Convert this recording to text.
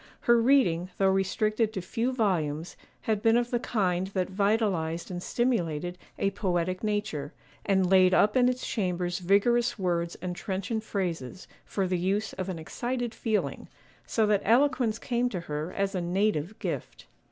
Her reading, though restricted to few volumes, had been of the kind that vitalized and stimulated a poetic nature, and laid up in its chambers vigorous words and trenchant phrases, for the use of an excited feeling—so that eloquence came to her as a native gift.